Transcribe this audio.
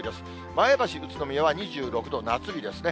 前橋、宇都宮は２６度、夏日ですね。